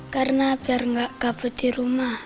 karena biar nggak kabut di rumah